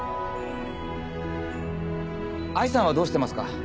藍さんはどうしてますか？